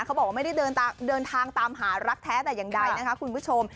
เขาบอกว่าไม่ได้เดินทางตามหารักแท้แต่อย่างใดนะคะคุณผู้ชม